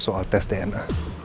soal tes tersebut